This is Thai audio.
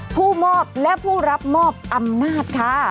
ผู้มอบและผู้รับมอบอำนาจค่ะ